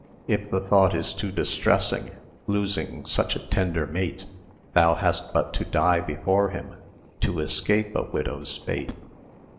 If the thought is too distressing, Losing such a tender mate, Thou hast but to die before him, To escape a widow's fate.